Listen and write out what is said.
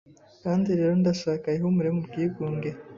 Kandi rero ndashaka ihumure mu bwigunge.